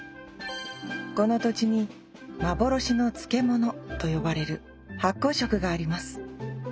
この土地に幻の漬物と呼ばれる発酵食があります。